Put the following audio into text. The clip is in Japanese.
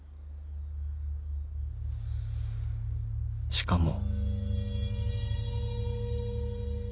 ・［しかも］